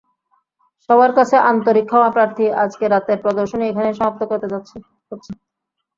সবার কাছে আন্তরিক ক্ষমাপ্রার্থী, আজকে রাতের প্রদর্শনী এখানেই সমাপ্ত করতে হচ্ছে।